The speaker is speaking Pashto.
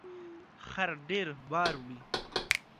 خر ډیر بار وړي